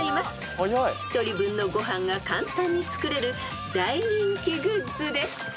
［１人分のご飯が簡単に作れる大人気グッズです］